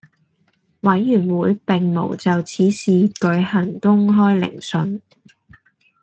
委員會並無就此事舉行公開聆訊